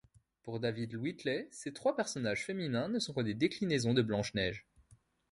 Pour David Whitley, ces trois personnages féminins ne sont que des déclinaisons de Blanche-Neige.